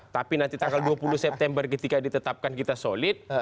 tapi nanti tanggal dua puluh september ketika ditetapkan kita solid